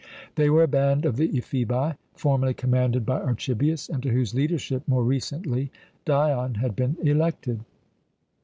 They were a band of the Ephebi, formerly commanded by Archibius, and to whose leadership more recently Dion had been elected.